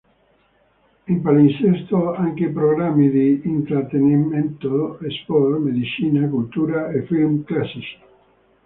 In palinsesto anche programmi di intrattenimento, sport, medicina, cultura e film classici.